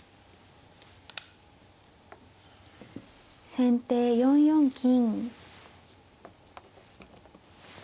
先手４四金。